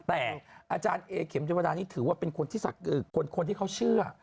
แต่อาจารย์เอเข็มเจวดานี่ถือว่าเป็นคนที่คนที่เขาเชื่อ